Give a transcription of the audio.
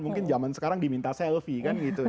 mungkin zaman sekarang diminta selfie